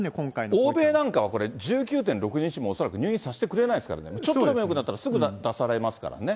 欧米なんかはこれ、１９．６日も恐らく入院させてくれないですからね、ちょっとでもよくなったらすぐ出されますからね。